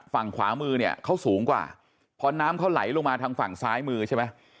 ฝั่งขวามือเนี่ยเขาสูงกว่าพอน้ำเขาไหลลงมาทางฝั่งซ้ายมือใช่ไหม